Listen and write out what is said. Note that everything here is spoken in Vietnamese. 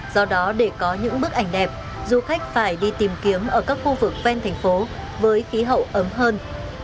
do đó để có những bức ảnh đẹp du khách phải đi tìm kiếm ở các khu vực ven thành phố với khí hậu ấm hơn